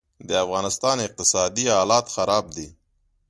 دافغانستان اقتصادي حالات خراب دي